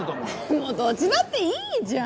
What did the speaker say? もうどっちだっていいじゃん！